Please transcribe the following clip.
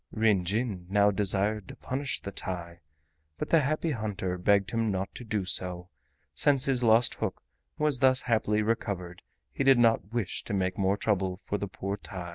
Ryn Jin now desired to punish the TAI, but the Happy Hunter begged him not to do so; since his lost hook was thus happily recovered he did not wish to make more trouble for the poor TAI.